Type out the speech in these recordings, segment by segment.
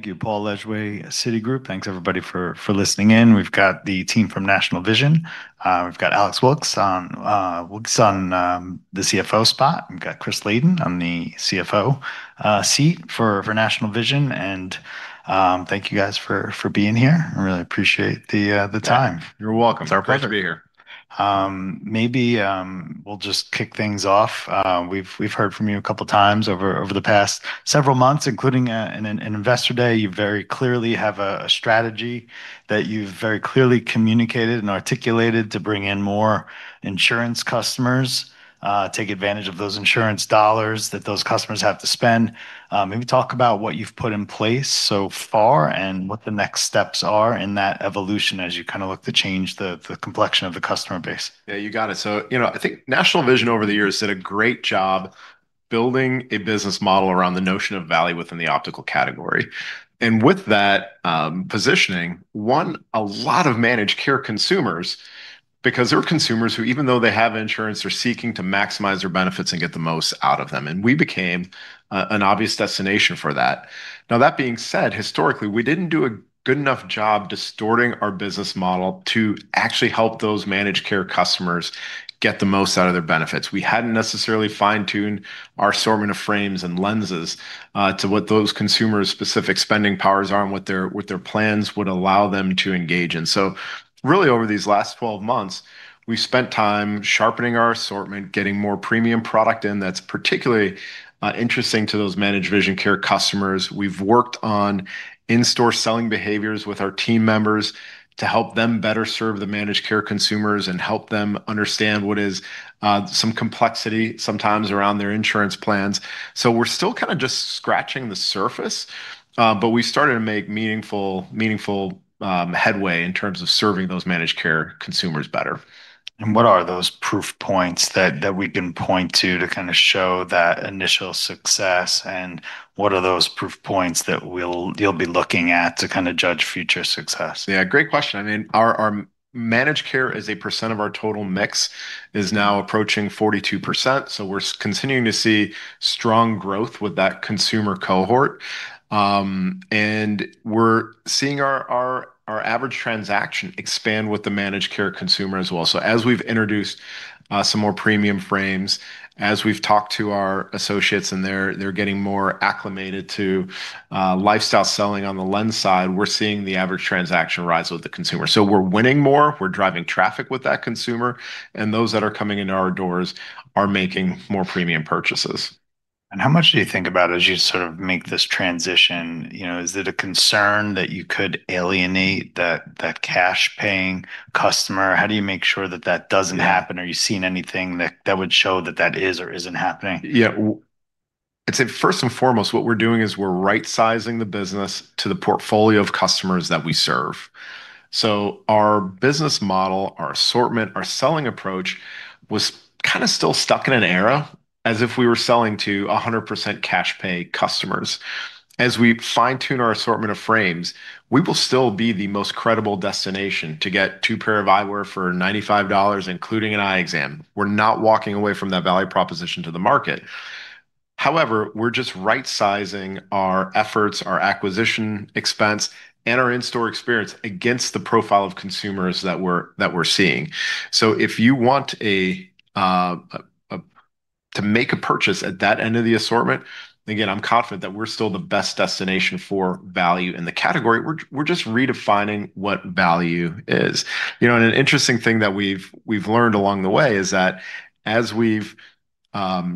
Thank you, Paul Lejuez, Citigroup. Thanks, everybody for listening in. We've got the team from National Vision. We've got Alex Wilkes on the CFO spot. We've got Christopher Laden on the CFO seat for National Vision. Thank you guys for being here. I really appreciate the time. Yeah. You're welcome. It's our pleasure. Glad to be here. Maybe we'll just kick things off. We've heard from you 2x over the past several months, including at an investor day. You very clearly have a strategy that you've very clearly communicated and articulated to bring in more insurance customers, take advantage of those insurance dollars that those customers have to spend. Maybe talk about what you've put in place so far and what the next steps are in that evolution as you kinda look to change the complexion of the customer base. Yeah, you got it. You know, I think National Vision over the years did a great job building a business model around the notion of value within the optical category. With that positioning, won a lot of managed care consumers because they're consumers who even though they have insurance, they're seeking to maximize their benefits and get the most out of them, and we became an obvious destination for that. That being said, historically, we didn't do a good enough job distorting our business model to actually help those managed care customers get the most out of their benefits. We hadn't necessarily fine-tuned our assortment of frames and lenses to what those consumers' specific spending powers are and what their plans would allow them to engage in. Really over these last 12 months, we've spent time sharpening our assortment, getting more premium product in that's particularly interesting to those managed vision care customers. We've worked on in-store selling behaviors with our team members to help them better serve the managed care consumers and help them understand what is some complexity sometimes around their insurance plans. We're still kinda just scratching the surface, but we've started to make meaningful headway in terms of serving those managed care consumers better. What are those proof points that we can point to to kinda show that initial success? What are those proof points that you'll be looking at to kinda judge future success? Yeah, great question. I mean, our managed care as a percent of our total mix is now approaching 42%. We're continuing to see strong growth with that consumer cohort. We're seeing our average transaction expand with the managed care consumer as well. As we've introduced some more premium frames, as we've talked to our associates and they're getting more acclimated to lifestyle selling on the lens side, we're seeing the average transaction rise with the consumer. We're winning more, we're driving traffic with that consumer, and those that are coming into our doors are making more premium purchases. How much do you think about as you sort of make this transition, you know, is it a concern that you could alienate that cash paying customer? How do you make sure that that doesn't happen? Yeah. Are you seeing anything that would show that that is or isn't happening? Yeah. I'd say first and foremost, what we're doing is we're rightsizing the business to the portfolio of customers that we serve. Our business model, our assortment, our selling approach was kinda still stuck in an era as if we were selling to 100% cash pay customers. As we fine-tune our assortment of frames, we will still be the most credible destination to get 2 pair of eyewear for $95, including an eye exam. We're not walking away from that value proposition to the market. We're just rightsizing our efforts, our acquisition expense, and our in-store experience against the profile of consumers that we're seeing. If you want to make a purchase at that end of the assortment, and again, I'm confident that we're still the best destination for value in the category, we're just redefining what value is. You know, an interesting thing that we've learned along the way is that as we've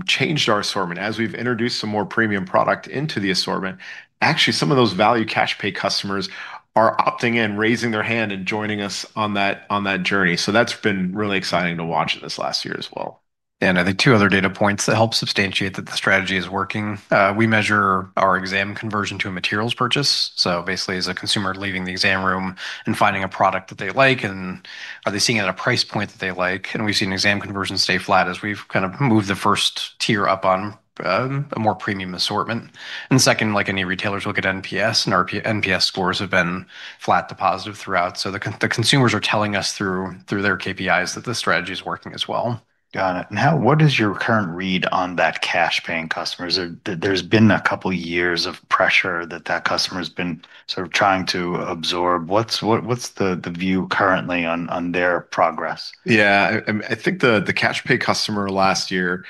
changed our assortment, as we've introduced some more premium product into the assortment, actually some of those value cash pay customers are opting in, raising their hand, and joining us on that, on that journey. That's been really exciting to watch this last year as well. I think two other data points that help substantiate that the strategy is working, we measure our exam conversion to a materials purchase, so basically is a consumer leaving the exam room and finding a product that they like, and are they seeing it at a price point that they like? We've seen exam conversions stay flat as we've kind of moved the first tier up on a more premium assortment. Second, like any retailers look at NPS, and our NPS scores have been flat to positive throughout. The consumers are telling us through their KPIs that the strategy's working as well. Got it. Now what is your current read on that cash paying customer? There's been a couple years of pressure that that customer's been sort of trying to absorb. What's the view currently on their progress? Yeah. I think the cash pay customer last year,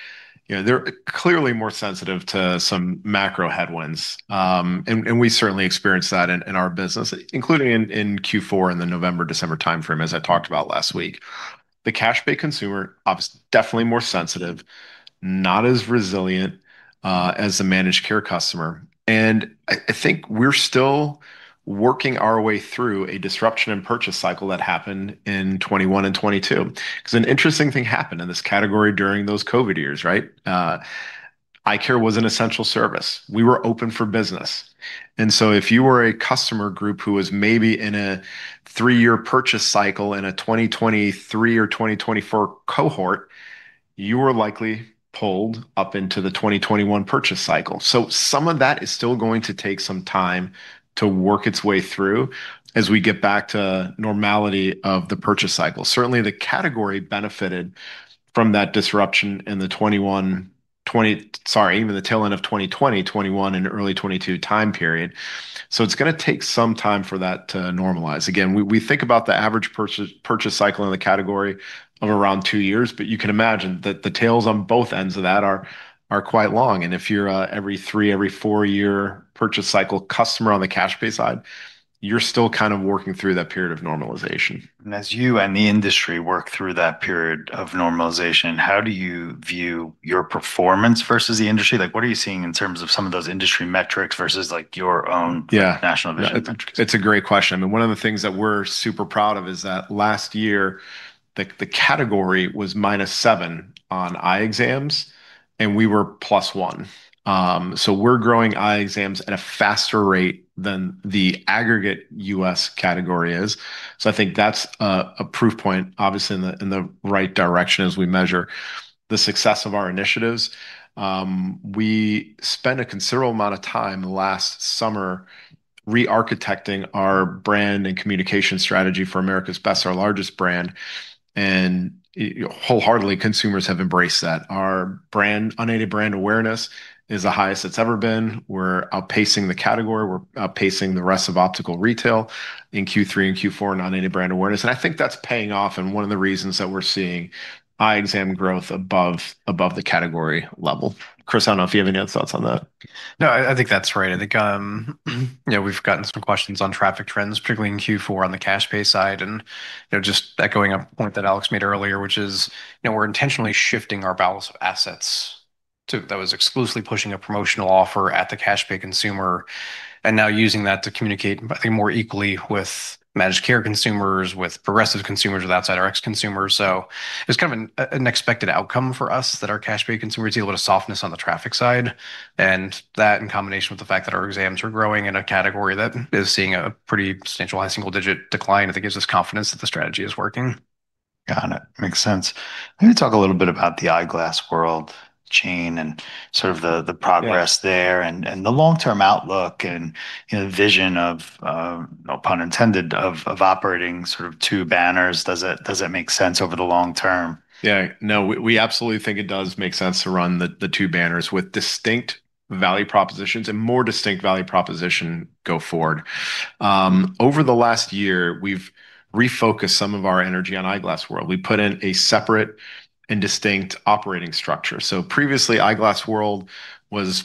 you know, they're clearly more sensitive to some macro headwinds. We certainly experienced that in our business, including in Q4 in the November-December timeframe, as I talked about last week. The cash pay consumer obviously definitely more sensitive, not as resilient, as the managed care customer. I think we're still working our way through a disruption in purchase cycle that happened in 2021 and 2022. 'Cause an interesting thing happened in this category during those COVID years, right? Eye care was an essential service. We were open for business. If you were a customer group who was maybe in a three-year purchase cycle in a 2023 or 2024 cohort, you were likely pulled up into the 2021 purchase cycle. Some of that is still going to take some time to work its way through as we get back to normality of the purchase cycle. Certainly, the category benefited from that disruption in the tail end of 2020, 2021, and early 2022 time period. It's gonna take some time for that to normalize. Again, we think about the average purchase cycle in the category of around two years, but you can imagine that the tails on both ends of that are quite long. If you're a every three, every four-year purchase cycle customer on the cash pay side, you're still kind of working through that period of normalization. As you and the industry work through that period of normalization, how do you view your performance versus the industry? Like, what are you seeing in terms of some of those industry metrics versus, like, your own? Yeah... National Vision metrics? It's a great question. I mean, one of the things that we're super proud of is that last year, the category was -7 on eye exams, and we were +1. We're growing eye exams at a faster rate than the aggregate US category is. I think that's a proof point, obviously in the right direction as we measure the success of our initiatives. We spent a considerable amount of time last summer re-architecting our brand and communication strategy for America's Best, our largest brand, and wholeheartedly, consumers have embraced that. Our unaided brand awareness is the highest it's ever been. We're outpacing the category. We're outpacing the rest of optical retail in Q3 and Q4 on unaided brand awareness. I think that's paying off and one of the reasons that we're seeing eye exam growth above the category level. Chris, I don't know if you have any other thoughts on that. I think that's right. I think, you know, we've gotten some questions on traffic trends, particularly in Q4 on the cash pay side, you know, just echoing a point that Alex made earlier, which is, you know, we're intentionally shifting our balance of assets to that was exclusively pushing a promotional offer at the cash pay consumer and now using that to communicate I think more equally with managed care consumers, with progressive consumers or the Outside Rx consumers. It's kind of an unexpected outcome for us that our cash pay consumers see a little softness on the traffic side, and that in combination with the fact that our exams are growing in a category that is seeing a pretty substantial high single-digit decline, I think gives us confidence that the strategy is working. Got it. Makes sense. Maybe talk a little bit about the Eyeglass World chain and sort of the progress- Yeah... there and the long-term outlook and, you know, vision of, no pun intended, of operating sort of two banners. Does it make sense over the long term? Yeah. No, we absolutely think it does make sense to run the two banners with distinct value propositions, and more distinct value proposition go forward. Over the last year, we've refocused some of our energy on Eyeglass World. We put in a separate and distinct operating structure. Previously, Eyeglass World was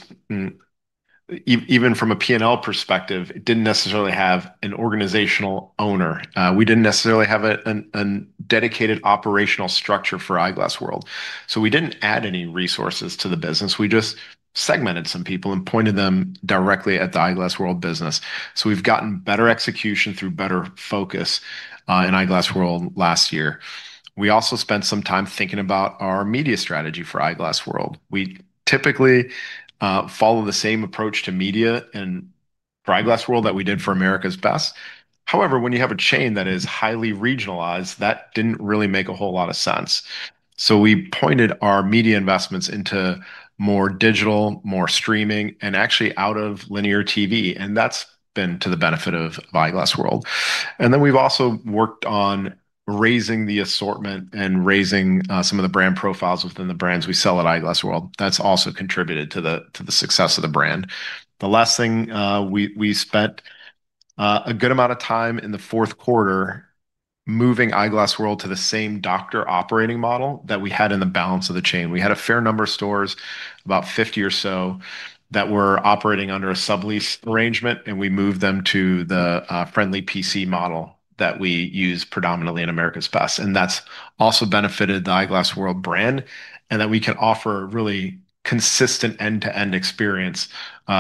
even from a P&L perspective, it didn't necessarily have an organizational owner. We didn't necessarily have a dedicated operational structure for Eyeglass World. We didn't add any resources to the business, we just segmented some people and pointed them directly at the Eyeglass World business. We've gotten better execution through better focus in Eyeglass World last year. We also spent some time thinking about our media strategy for Eyeglass World. We typically follow the same approach to media and... for Eyeglass World that we did for America's Best. When you have a chain that is highly regionalized, that didn't really make a whole lot of sense. We pointed our media investments into more digital, more streaming, and actually out of linear TV, and that's been to the benefit of Eyeglass World. Then we've also worked on raising the assortment and raising some of the brand profiles within the brands we sell at Eyeglass World. That's also contributed to the success of the brand. The last thing, we spent a good amount of time in the fourth quarter moving Eyeglass World to the same doctor operating model that we had in the balance of the chain. We had a fair number of stores, about 50 or so, that were operating under a sublease arrangement. We moved them to the friendly PC model that we use predominantly in America's Best. That's also benefited the Eyeglass World brand, in that we can offer a really consistent end-to-end experience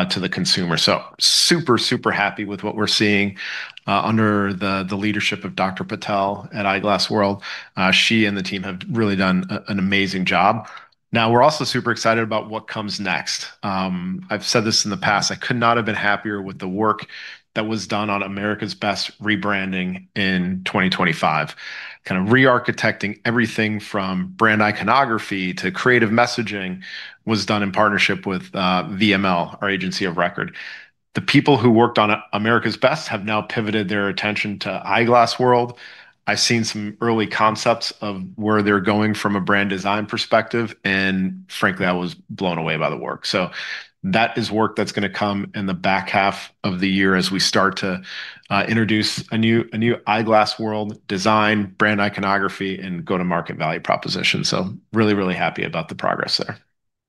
to the consumer. Super happy with what we're seeing under the leadership of Dr. Patel at Eyeglass World. She and the team have really done an amazing job. We're also super excited about what comes next. I've said this in the past, I could not have been happier with the work that was done on America's Best rebranding in 2025. Kind of re-architecting everything from brand iconography to creative messaging was done in partnership with VML, our agency of record. The people who worked on America's Best have now pivoted their attention to Eyeglass World. I've seen some early concepts of where they're going from a brand design perspective, and frankly, I was blown away by the work. That is work that's gonna come in the back half of the year as we start to introduce a new Eyeglass World design, brand iconography, and go-to-market value proposition. Really, really happy about the progress there.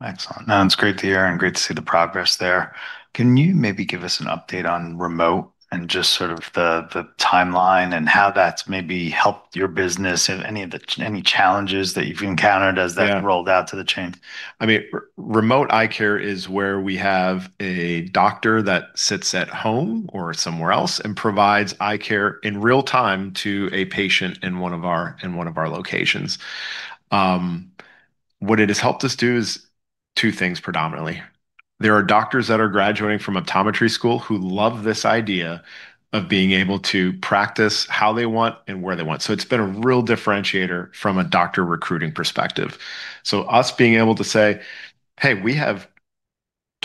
Excellent. No, it's great to hear and great to see the progress there. Can you maybe give us an update on remote and just sort of the timeline and how that's maybe helped your business? If any challenges that you've encountered as that? Yeah... rolled out to the chain? I mean, remote eye care is where we have a doctor that sits at home or somewhere else and provides eye care in real time to a patient in one of our locations. What it has helped us do is 2 things predominantly. There are doctors that are graduating from optometry school who love this idea of being able to practice how they want and where they want. It's been a real differentiator from a doctor recruiting perspective. Us being able to say, "Hey, we have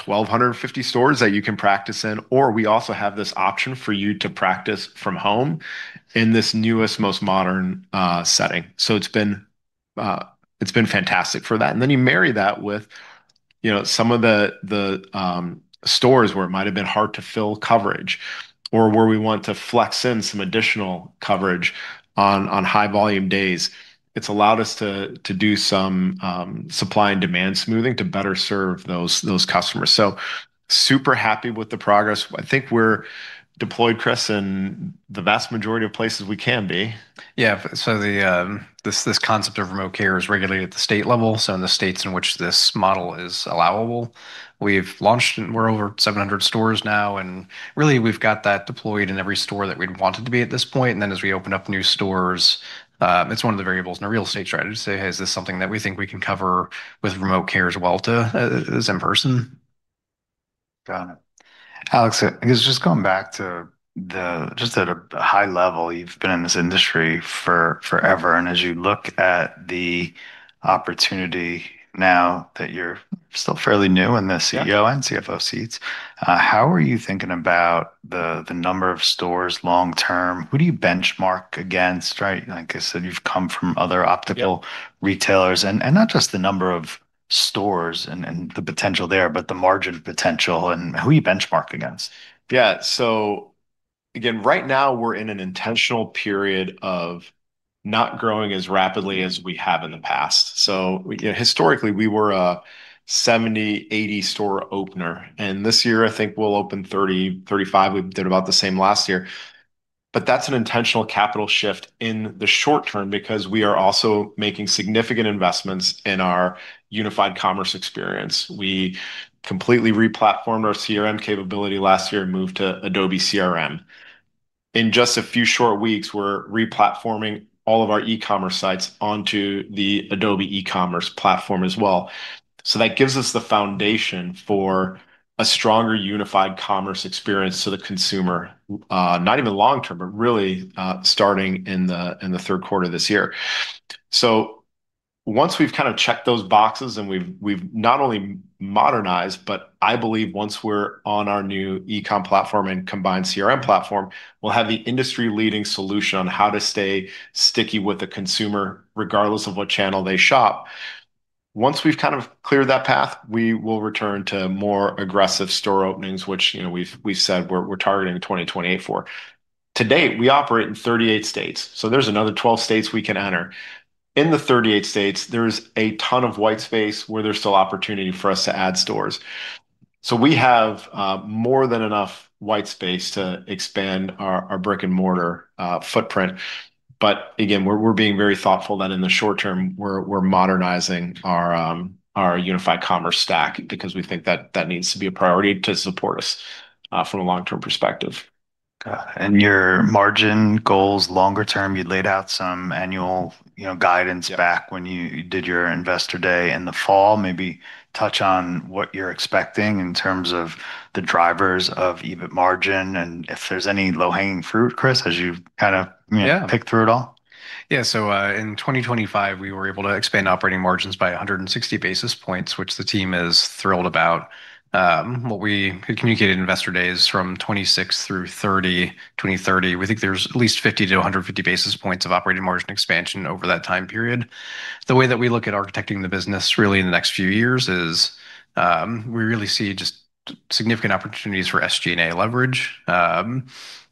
1,250 stores that you can practice in, or we also have this option for you to practice from home in this newest, most modern setting." It's been fantastic for that. Then you marry that with, you know, some of the stores where it might have been hard to fill coverage or where we want to flex in some additional coverage on high volume days. It's allowed us to do some supply and demand smoothing to better serve those customers. Super happy with the progress. I think we're deployed, Chris, in the vast majority of places we can be. Yeah. This concept of remote care is regulated at the state level. In the states in which this model is allowable. We're over 700 stores now, really we've got that deployed in every store that we'd want it to be at this point. As we open up new stores, it's one of the variables in a real estate strategy to say, "Hey, is this something that we think we can cover with remote care as well to as in person? Got it. Alex, I guess just going back to just at a high level, you've been in this industry for forever, and as you look at the opportunity now that you're still fairly new in the CEO. Yeah... and CFO seats, how are you thinking about the number of stores long term? Who do you benchmark against, right? Like I said, you've come from other. Yeah... retailers. Not just the number of stores and the potential there, but the margin of potential and who you benchmark against. Yeah. Again, right now we're in an intentional period of not growing as rapidly as we have in the past. You know, historically, we were a 70, 80 store opener, this year I think we'll open 30-35. We did about the same last year. That's an intentional capital shift in the short term because we are also making significant investments in our unified commerce experience. We completely re-platformed our CRM capability last year and moved to Adobe CRM. In just a few short weeks, we're re-platforming all of our e-commerce sites onto the Adobe e-commerce platform as well. That gives us the foundation for a stronger unified commerce experience to the consumer, not even long term, but really, starting in the third quarter of this year. Once we've kind of checked those boxes and we've not only modernized, but I believe once we're on our new e-com platform and combined CRM platform, we'll have the industry-leading solution on how to stay sticky with the consumer regardless of what channel they shop. Once we've kind of cleared that path, we will return to more aggressive store openings, which, you know, we've said we're targeting 2028 for. To date, we operate in 38 states, so there's another 12 states we can enter. In the 38 states, there's a ton of white space where there's still opportunity for us to add stores. We have more than enough white space to expand our brick-and-mortar footprint. Again, we're being very thoughtful that in the short term we're modernizing our unified commerce stack because we think that that needs to be a priority to support us from a long-term perspective. Got it. Your margin goals longer term, you laid out some annual, you know, guidance- Yeah back when you did your investor day in the fall. Maybe touch on what you're expecting in terms of the drivers of EBIT margin and if there's any low-hanging fruit, Chris, as you've kinda, you know- Yeah picked through it all. In 2025, we were able to expand operating margins by 160 basis points, which the team is thrilled about. What we had communicated investor days from 2026 through 2030, we think there's at least 50-150 basis points of operating margin expansion over that time period. The way that we look at architecting the business really in the next few years is, we really see just significant opportunities for SG&A leverage.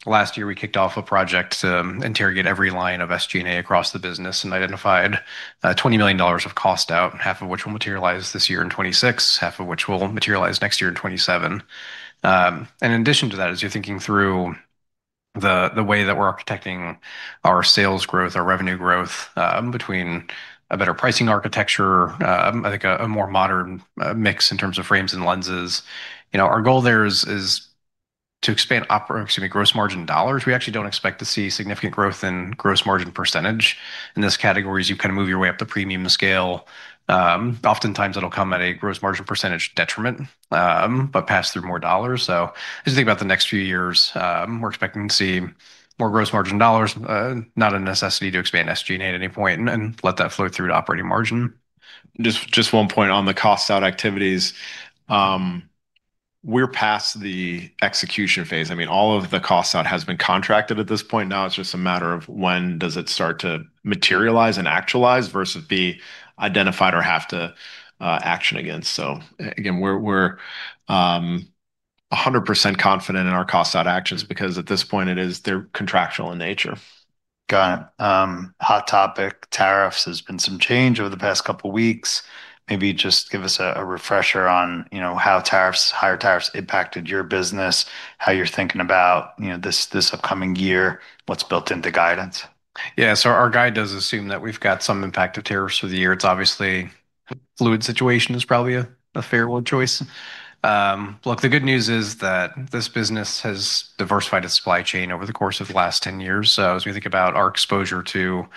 Last year, we kicked off a project to interrogate every line of SG&A across the business and identified $20 million of cost out, half of which will materialize this year in 2026, half of which will materialize next year in 2027. In addition to that, as you're thinking through the way that we're architecting our sales growth, our revenue growth, between a better pricing architecture, I think a more modern mix in terms of frames and lenses, you know, our goal there is to expand gross margin dollars. We actually don't expect to see significant growth in gross margin percentage in this category as you kind of move your way up the premium scale. Oftentimes it'll come at a gross margin percentage detriment, but pass through more dollars. As you think about the next few years, we're expecting to see more gross margin dollars, not a necessity to expand SG&A at any point and let that flow through to operating margin. Just one point on the cost-out activities. We're past the execution phase. I mean, all of the cost-out has been contracted at this point. Now it's just a matter of when does it start to materialize and actualize versus be identified or have to action against. Again, we're 100% confident in our cost-out actions because at this point it is, they're contractual in nature. Got it. Hot topic, tariffs. There's been some change over the past couple weeks. Maybe just give us a refresher on, you know, how tariffs, higher tariffs impacted your business, how you're thinking about, you know, this upcoming year, what's built into guidance? Our guide does assume that we've got some impact of tariffs through the year. It's obviously a fluid situation is probably a fair word choice. Look, the good news is that this business has diversified its supply chain over the course of the last 10 years. As we think about our exposure to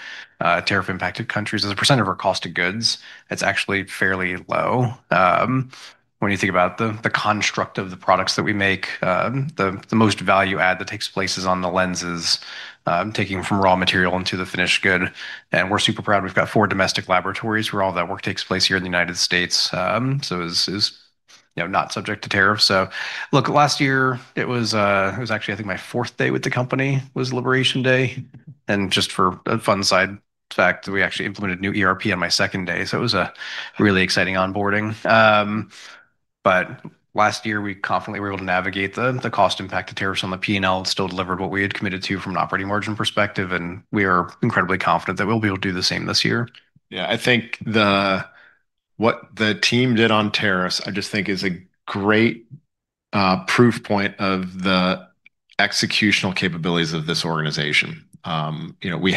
tariff impacted countries as a percent of our cost of goods, it's actually fairly low. When you think about the construct of the products that we make, the most value add that takes place is on the lenses, taking from raw material into the finished good, and we're super proud we've got four domestic laboratories where all that work takes place here in the United States. It's, it's You know, not subject to tariff. Look, last year it was actually I think my fourth day with the company was Liberation Day, and just for a fun side fact, we actually implemented new ERP on my second day, so it was a really exciting onboarding. Last year we confidently were able to navigate the cost impact of tariffs on the P&L and still delivered what we had committed to from an operating margin perspective, and we are incredibly confident that we'll be able to do the same this year. Yeah, I think what the team did on tariffs I just think is a great proof point of the executional capabilities of this organization. You know, we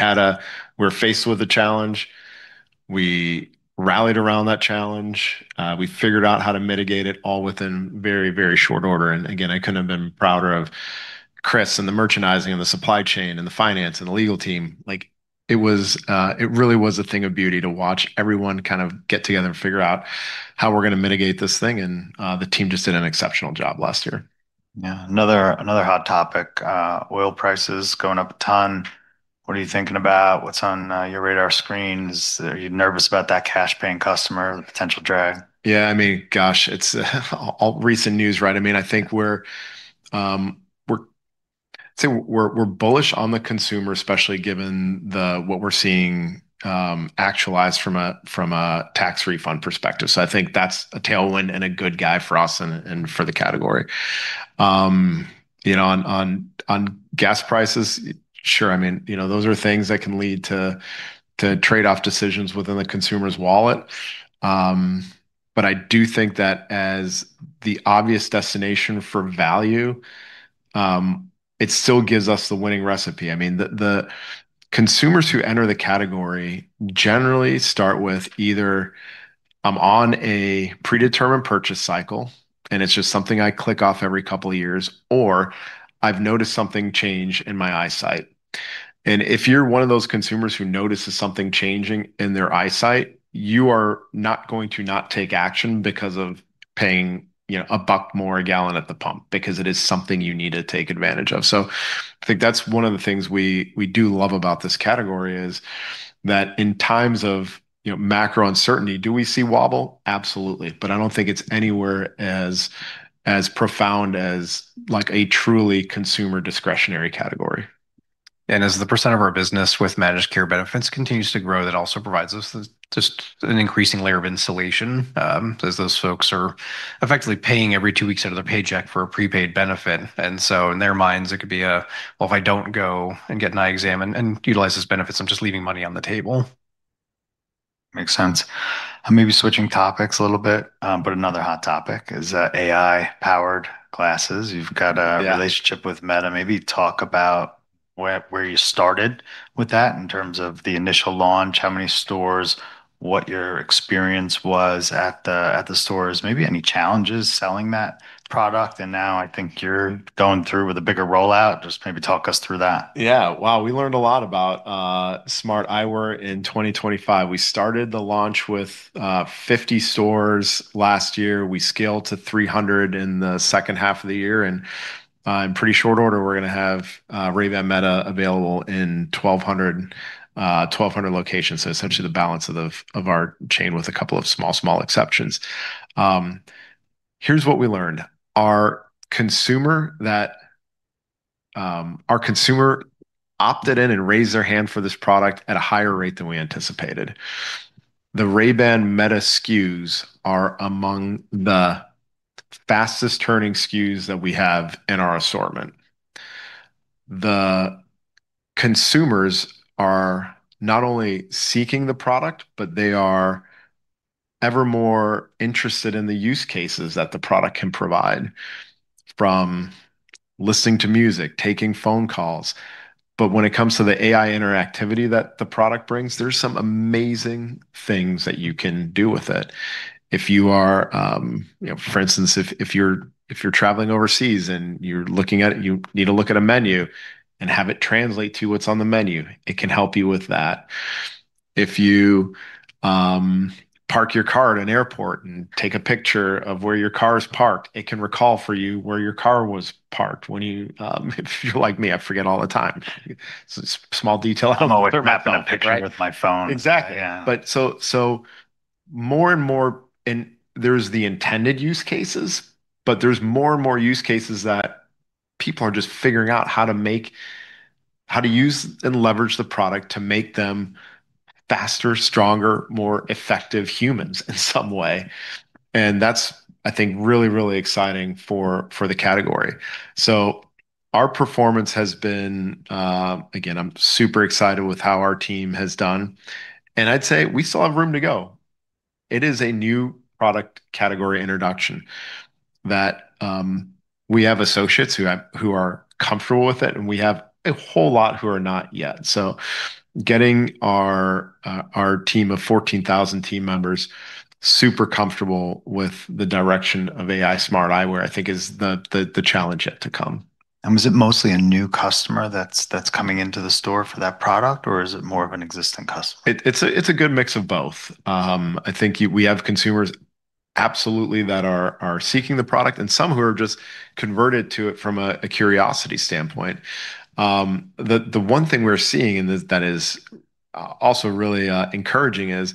were faced with a challenge, we rallied around that challenge, we figured out how to mitigate it all within very, very short order. Again, I couldn't have been prouder of Chris and the merchandising and the supply chain and the finance and the legal team. Like, it was, it really was a thing of beauty to watch everyone kind of get together and figure out how we're gonna mitigate this thing and the team just did an exceptional job last year. Yeah. Another hot topic, oil prices going up a ton. What are you thinking about? What's on your radar screens? Are you nervous about that cash paying customer, the potential drag? Yeah, I mean, gosh, it's all recent news, right? I mean, I think we're bullish on the consumer, especially given what we're seeing actualize from a tax refund perspective. I think that's a tailwind and a good guy for us and for the category. You know, on gas prices, sure, I mean, you know, those are things that can lead to trade-off decisions within the consumer's wallet. I do think that as the obvious destination for value, it still gives us the winning recipe. I mean, the consumers who enter the category generally start with either, "I'm on a predetermined purchase cycle, and it's just something I click off every couple of years," or, "I've noticed something change in my eyesight." If you're one of those consumers who notices something changing in their eyesight, you are not going to not take action because of paying, you know, a buck more a gallon at the pump, because it is something you need to take advantage of. I think that's one of the things we do love about this category is that in times of, you know, macro uncertainty, do we see wobble? Absolutely. I don't think it's anywhere as profound as, like, a truly consumer discretionary category. As the percent of our business with managed care benefits continues to grow, that also provides us with just an increasing layer of insulation, as those folks are effectively paying every 2 weeks out of their paycheck for a prepaid benefit. In their minds, it could be a, "Well, if I don't go and get an eye exam and utilize those benefits, I'm just leaving money on the table." Makes sense. Maybe switching topics a little bit, but another hot topic is AI-powered glasses. Yeah... relationship with Meta. Maybe talk about where you started with that in terms of the initial launch, how many stores, what your experience was at the stores, maybe any challenges selling that product. Now I think you're going through with a bigger rollout, just maybe talk us through that. Well, we learned a lot about smart eyewear in 2025. We started the launch with 50 stores last year. In pretty short order we're gonna have Ray-Ban Meta available in 1,200 locations, so essentially the balance of our chain with a couple of small exceptions. Here's what we learned. Our consumer that, our consumer opted in and raised their hand for this product at a higher rate than we anticipated. The Ray-Ban Meta SKUs are among the fastest turning SKUs that we have in our assortment. The consumers are not only seeking the product, but they are ever more interested in the use cases that the product can provide, from listening to music, taking phone calls. When it comes to the AI interactivity that the product brings, there's some amazing things that you can do with it. If you are, you know, for instance if you're traveling overseas and you're looking at, you need to look at a menu and have it translate to what's on the menu, it can help you with that. If you park your car at an airport and take a picture of where your car is parked, it can recall for you where your car was parked when you, if you're like me, I forget all the time. Small detail out. I'm always snapping a picture with my phone. Exactly. Yeah. More and more... there's the intended use cases, but there's more and more use cases that people are just figuring out how to make, how to use and leverage the product to make them faster, stronger, more effective humans in some way. That's, I think, really, really exciting for the category. Our performance has been... Again, I'm super excited with how our team has done, and I'd say we still have room to go. It is a new product category introduction that we have associates who are comfortable with it, and we have a whole lot who are not yet. Getting our team of 14,000 team members super comfortable with the direction of AI smart eyewear, I think is the challenge yet to come. Was it mostly a new customer that's coming into the store for that product, or is it more of an existing customer? It's a good mix of both. I think we have consumers absolutely that are seeking the product, and some who are just converted to it from a curiosity standpoint. The one thing we're seeing and that is also really encouraging is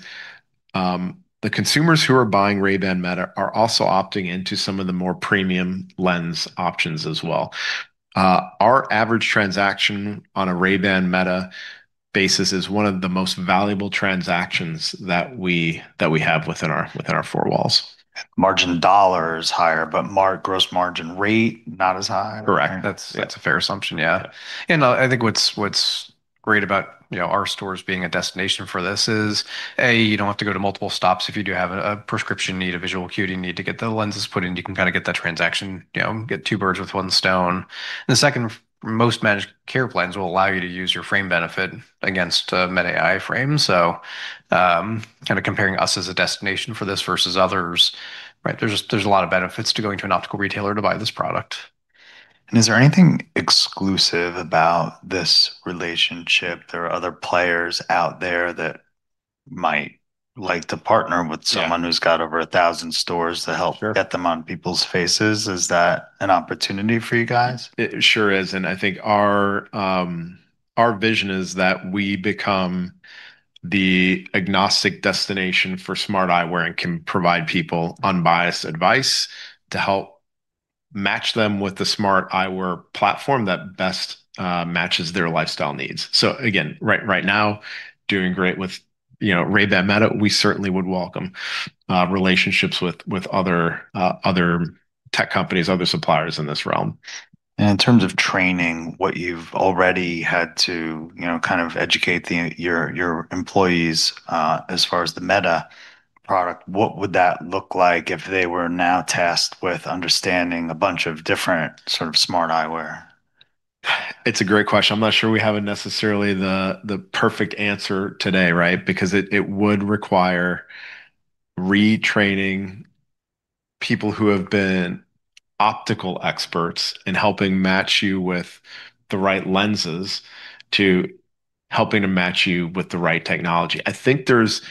the consumers who are buying Ray-Ban Meta are also opting into some of the more premium lens options as well. Our average transaction on a Ray-Ban Meta basis is one of the most valuable transactions that we have within our four walls. Margin dollar is higher, but gross margin rate not as high. Correct. That's a fair assumption, yeah. I think what's great about, you know, our stores being a destination for this is, A, you don't have to go to multiple stops if you do have a prescription need, a visual acuity need to get the lenses put in. You can kind of get that transaction, you know, get 2 birds with 1 stone. The second, most managed care plans will allow you to use your frame benefit against a Meta AI frame, so, kind of comparing us as a destination for this versus others, right? There's a lot of benefits to going to an optical retailer to buy this product. Is there anything exclusive about this relationship? There are other players out there that might like to partner with. Yeah... someone who's got over 1,000 stores to help. Sure... get them on people's faces. Is that an opportunity for you guys? It sure is, I think our vision is that we become the agnostic destination for smart eyewear and can provide people unbiased advice to help match them with the smart eyewear platform that best matches their lifestyle needs. Again, right now doing great with, you know, Ray-Ban Meta. We certainly would welcome relationships with other tech companies, other suppliers in this realm. In terms of training, what you've already had to, you know, kind of educate your employees, as far as the Meta product, what would that look like if they were now tasked with understanding a bunch of different sort of smart eyewear? It's a great question. I'm not sure we have a necessarily the perfect answer today, right? Because it would require retraining people who have been optical experts in helping match you with the right lenses to helping to match you with the right technology. I think there's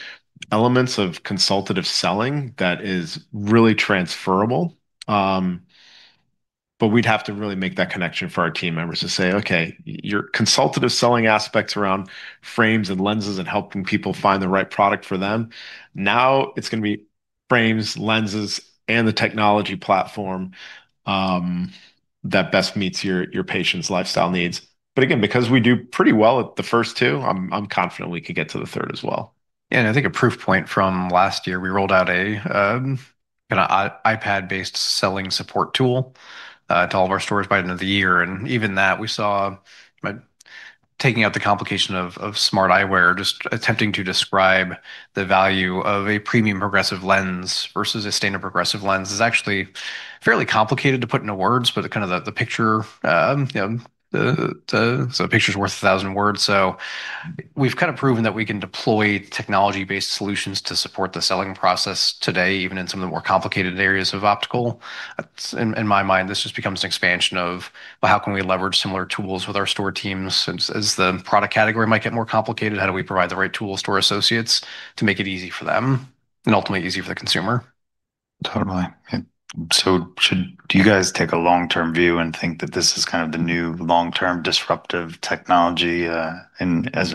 elements of consultative selling that is really transferable, but we'd have to really make that connection for our team members to say, "Okay, your consultative selling aspects around frames and lenses and helping people find the right product for them, now it's gonna be frames, lenses, and the technology platform that best meets your patient's lifestyle needs." Again, because we do pretty well at the first two, I'm confident we could get to the third as well. I think a proof point from last year, we rolled out an iPad-based selling support tool to all of our stores by end of the year, and even that we saw taking out the complication of smart eyewear, just attempting to describe the value of a premium progressive lens versus a standard progressive lens is actually fairly complicated to put into words, but the kind of the picture, you know, a picture's worth 1,000 words. We've kind of proven that we can deploy technology-based solutions to support the selling process today even in some of the more complicated areas of optical. In my mind, this just becomes an expansion of, well, how can we leverage similar tools with our store teams since, as the product category might get more complicated, how do we provide the right tools to our associates to make it easy for them and ultimately easy for the consumer? Totally. Should, do you guys take a long-term view and think that this is kind of the new long-term disruptive technology, in, as,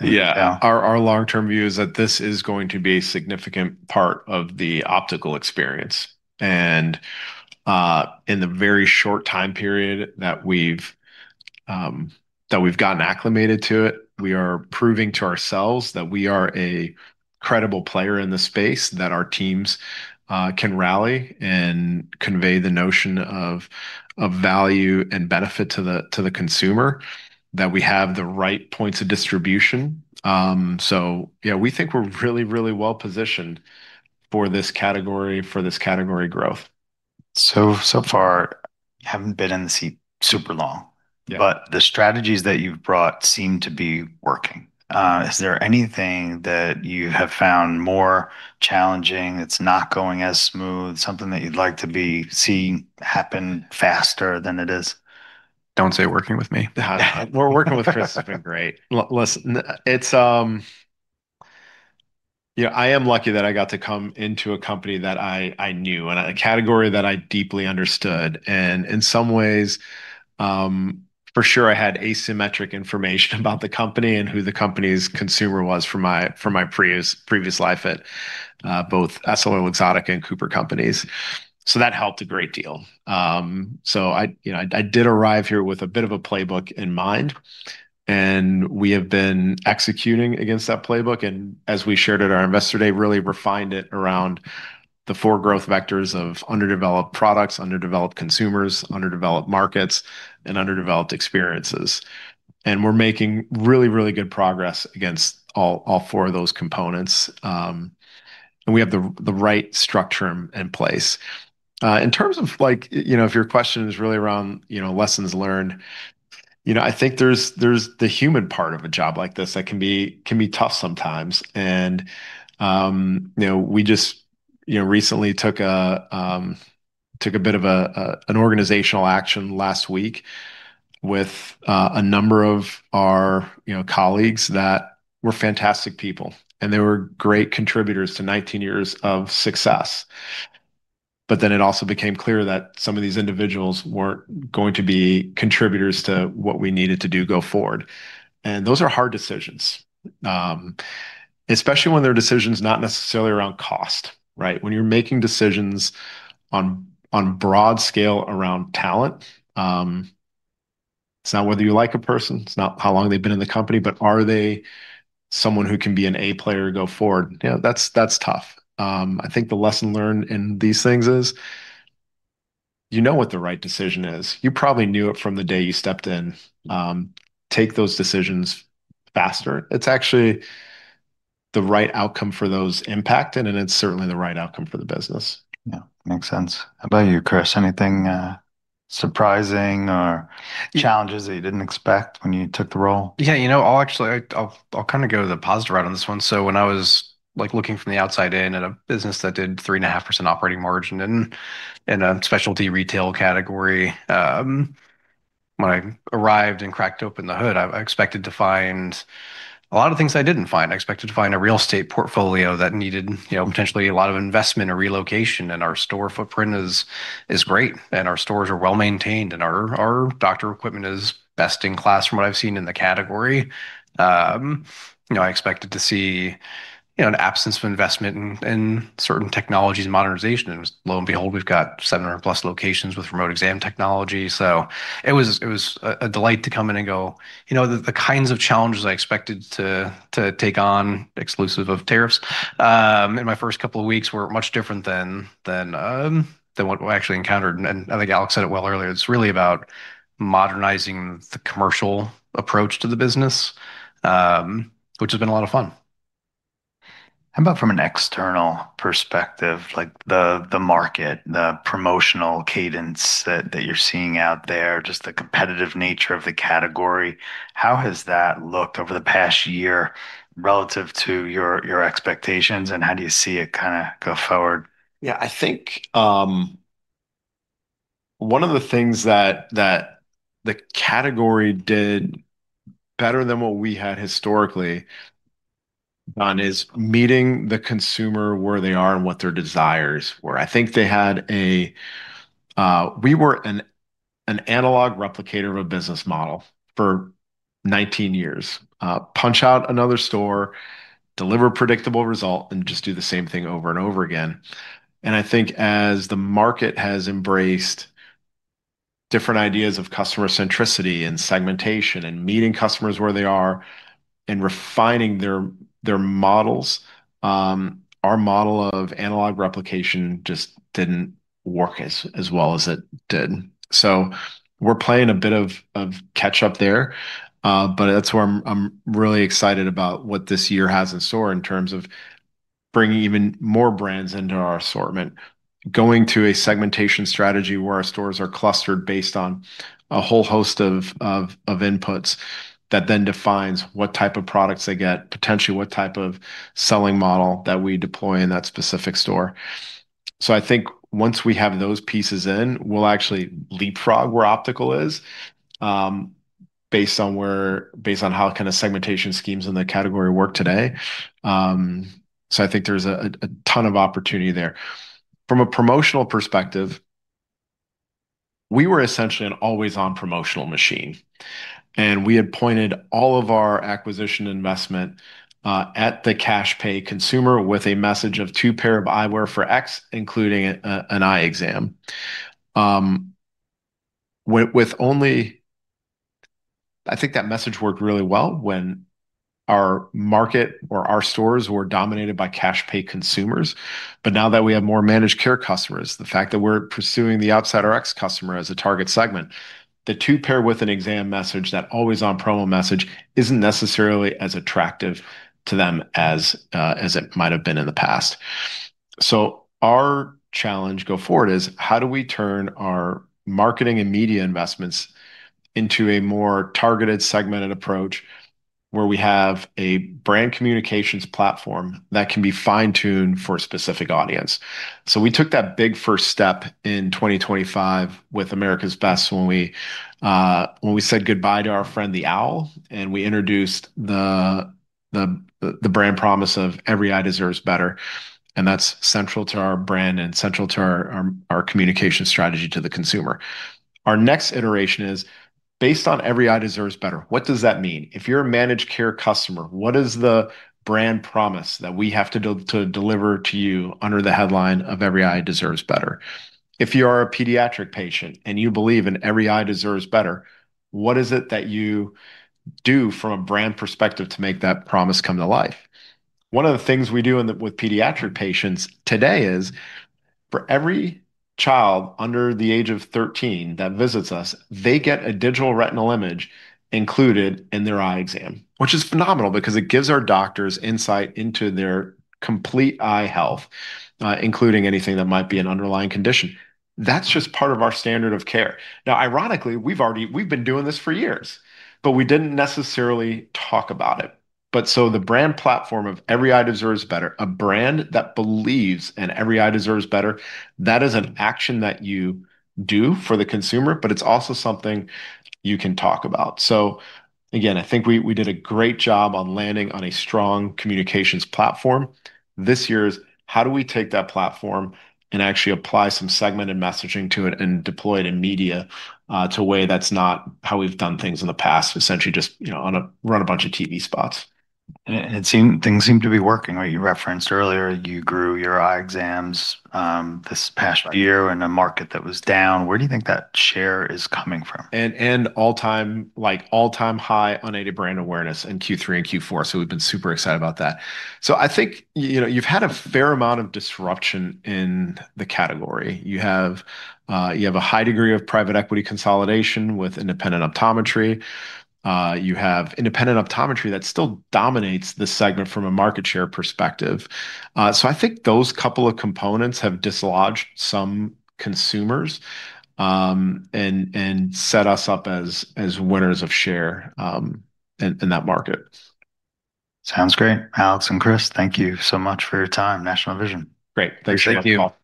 yeah? Our long-term view is that this is going to be a significant part of the optical experience, and in the very short time period that we've gotten acclimated to it, we are proving to ourselves that we are a credible player in the space, that our teams can rally and convey the notion of value and benefit to the consumer, that we have the right points of distribution. We think we're really well positioned for this category, for this category growth. So far you haven't been in the seat super long. Yeah. The strategies that you've brought seem to be working. Is there anything that you have found more challenging, it's not going as smooth, something that you'd like to be, see happen faster than it is? Don't say working with me. We're working with Chris has been great. Listen, it's, you know, I am lucky that I got to come into a company that I knew and a category that I deeply understood, and in some ways, for sure I had asymmetric information about the company and who the company's consumer was from my previous life at both EssilorLuxottica and CooperCompanies, so that helped a great deal. I, you know, I did arrive here with a bit of a playbook in mind, and we have been executing against that playbook, and as we shared at our Investor Day, refined it around the four growth vectors of underdeveloped products, underdeveloped consumers, underdeveloped markets, and underdeveloped experiences. We're making good progress against all four of those components. We have the right structure in place. In terms of, like, you know, if your question is really around, you know, lessons learned, you know, I think there's the human part of a job like this that can be tough sometimes. You know, we just, you know, recently took a bit of an organizational action last week with a number of our, you know, colleagues that were fantastic people, and they were great contributors to 19 years of success. It also became clear that some of these individuals weren't going to be contributors to what we needed to do go forward. Those are hard decisions, especially when they're decisions not necessarily around cost, right? When you're making decisions on broad scale around talent, it's not whether you like a person, it's not how long they've been in the company, but are they someone who can be an A player go forward? You know, that's tough. I think the lesson learned in these things is you know what the right decision is. You probably knew it from the day you stepped in. Take those decisions faster. It's actually the right outcome for those impacted, and it's certainly the right outcome for the business. Yeah. Makes sense. How about you, Chris? Anything surprising or challenges that you didn't expect when you took the role? Yeah. You know, I'll actually I'll kind of go to the positive right on this one. When I was, like, looking from the outside in at a business that did 3.5% operating margin in a specialty retail category, when I arrived and cracked open the hood, I expected to find a lot of things I didn't find. I expected to find a real estate portfolio that needed, you know, potentially a lot of investment or relocation, and our store footprint is great, and our stores are well-maintained, and our doctor equipment is best in class from what I've seen in the category. You know, I expected to see, you know, an absence of investment in certain technologies and modernization, and lo and behold, we've got 700+ locations with remote exam technology. It was a delight to come in and go, you know, the kinds of challenges I expected to take on, exclusive of tariffs, in my first couple of weeks were much different than what we actually encountered. I think Alex said it well earlier, it's really about modernizing the commercial approach to the business, which has been a lot of fun. How about from an external perspective, like the market, the promotional cadence that you're seeing out there, just the competitive nature of the category? How has that looked over the past year relative to your expectations, and how do you see it kinda go forward? Yeah. I think one of the things that the category did better than what we had historically done is meeting the consumer where they are and what their desires were. We were an analog replicator of a business model for 19 years. Punch out another store, deliver predictable result, and just do the same thing over and over again. I think as the market has embraced different ideas of customer centricity and segmentation and meeting customers where they are and refining their models, our model of analog replication just didn't work as well as it did. We're playing a bit of catch-up there, but that's where I'm really excited about what this year has in store in terms of bringing even more brands into our assortment, going to a segmentation strategy where our stores are clustered based on a whole host of inputs that then defines what type of products they get, potentially what type of selling model that we deploy in that specific store. I think once we have those pieces in, we'll actually leapfrog where optical is, based on where based on how kinda segmentation schemes in the category work today. I think there's a ton of opportunity there. From a promotional perspective, we were essentially an always-on promotional machine, and we had pointed all of our acquisition investment at the cash pay consumer with a message of 2 pair of eyewear for X, including an eye exam. I think that message worked really well when our market or our stores were dominated by cash pay consumers, but now that we have more managed care customers, the fact that we're pursuing the outsider X customer as a target segment, the 2 pair with an exam message, that always-on promo message isn't necessarily as attractive to them as it might have been in the past. Our challenge go forward is, how do we turn our marketing and media investments into a more targeted segmented approach where we have a brand communications platform that can be fine-tuned for a specific audience? We took that big first step in 2025 with America's Best when we, when we said goodbye to our friend, the owl, and we introduced the brand promise of Every Eye Deserves Better, and that's central to our brand and central to our communication strategy to the consumer. Our next iteration is based on Every Eye Deserves Better, what does that mean? If you're a managed care customer, what is the brand promise that we have to deliver to you under the headline of Every Eye Deserves Better? If you are a pediatric patient and you believe in Every Eye Deserves Better, what is it that you do from a brand perspective to make that promise come to life? One of the things we do with pediatric patients today is for every child under the age of 13 that visits us, they get a digital retinal image included in their eye exam, which is phenomenal because it gives our doctors insight into their complete eye health, including anything that might be an underlying condition. That's just part of our standard of care. Now, ironically, we've been doing this for years, but we didn't necessarily talk about it. The brand platform of Every Eye Deserves Better, a brand that believes in Every Eye Deserves Better, that is an action that you do for the consumer, but it's also something you can talk about. Again, I think we did a great job on landing on a strong communications platform. This year's how do we take that platform and actually apply some segmented messaging to it and deploy it in media, to a way that's not how we've done things in the past, essentially just, you know, run a bunch of TV spots. It seemed things seem to be working. You referenced earlier you grew your eye exams, this past year in a market that was down. Where do you think that share is coming from? All-time high unaided brand awareness in Q3 and Q4. We've been super excited about that. I think, you know, you've had a fair amount of disruption in the category. You have a high degree of private equity consolidation with independent optometry. You have independent optometry that still dominates this segment from a market share perspective. I think those couple of components have dislodged some consumers, and set us up as winners of share in that market. Sounds great. Alex and Chris, thank you so much for your time, National Vision. Great. Thanks, Paul. Thank you.